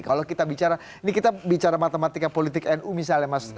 kalau kita bicara ini kita bicara matematika politik nu misalnya mas